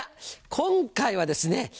今回はですね